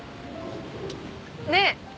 ねえ。